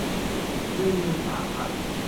หนึ่งหมื่นสามพัน